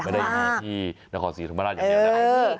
ไม่ได้อย่างนั้นที่นครสีธรรมดาอย่างเดียวนะ